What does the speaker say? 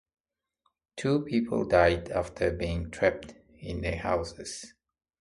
Two people died after being trapped in their houses.